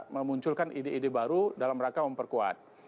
memunculkan ide ide baru dalam rangka memperkuat